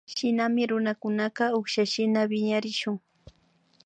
Shinami runakunaka ukshashina wiñarishun